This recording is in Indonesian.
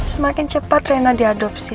semakin cepat rena diadopsi